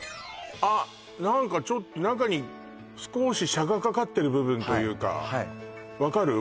あっ何かちょっと中に少し紗がかかってる部分というか分かる？